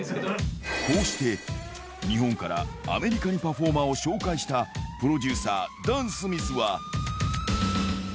こうして日本からアメリカにパフォーマーを紹介したプロデューサー、ダン・スミスは。